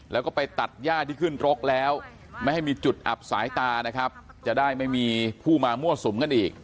แล้วก็ไปตัดย่าที่ขึ้นรกแล้วไม่ให้มีจุดอับสายตานะครับจะได้ไม่มีผู้มามั่วสุมกันอีก